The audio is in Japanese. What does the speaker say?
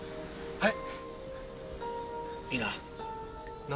はい！